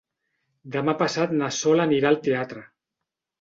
Demà passat na Sol anirà al teatre.